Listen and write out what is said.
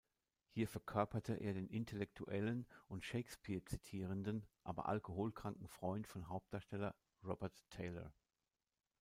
Hier verkörperte er den intellektuellen und Shakespeare-zitierenden, aber alkoholkranken Freund von Hauptdarsteller Robert Taylor.